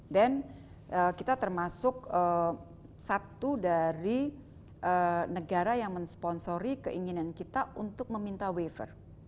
dan kita termasuk satu dari negara yang mensponsori keinginan kita untuk meminta waiver